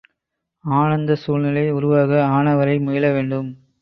ஆனந்த சூழ்நிலை உருவாக ஆனவரை முயல வேண்டும்.